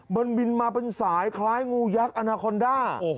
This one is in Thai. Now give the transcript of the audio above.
มันบินมาเป็นสายคล้ายงูยักษ์อนาคอนด้า